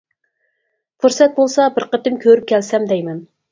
پۇرسەت بولسا بىر قېتىم كۆرۈپ كەلسەم دەيمەن.